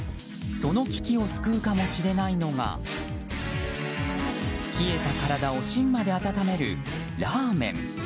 その危機を救うかもしれないのが冷えた体を芯まで温めるラーメン。